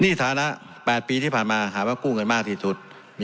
นี่ฐานะ๘ปีที่ผ่านมาหาว่ากู้เงินมากที่สุด